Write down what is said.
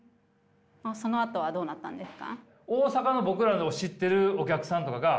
そのあとはどうなったんですか？